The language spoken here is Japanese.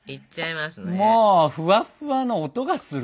もうふわっふわの音がする。